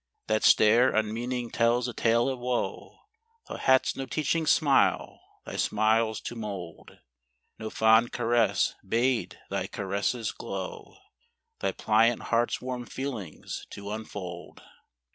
That stare unmeaning tells a tale of wo; Thou hadst no teaching smile, thy smiles to mould. No fond caress bade thy caresses glow, Thy pliant heart's warm feelings to unfold.